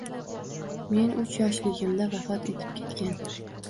Men uch yoshligimda vafot etib ketgan.